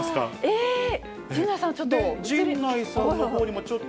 えー、陣内さん、ちょっと。